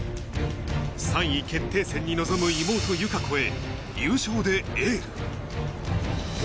３位決定戦に臨む妹、友香子へ優勝でエール。